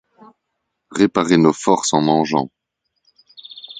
Réparer nos forces en mangeant.